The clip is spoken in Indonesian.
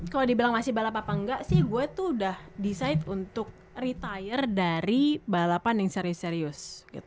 kalau dibilang masih balap apa nggak sih gue tuh udah decide untuk retire dari balapan yang serius serius